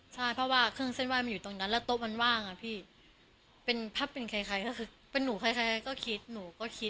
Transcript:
ใช่เพราะว่าเครื่องเส้นไห้มันอยู่ตรงนั้นแล้วโต๊ะมันว่างอ่ะพี่เป็นภาพเป็นใครก็คือเป็นหนูใครก็คิดหนูก็คิด